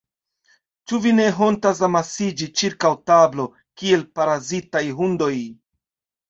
Ĉu vi ne hontas amasiĝi ĉirkaŭ tablo, kiel parazitaj hundoj?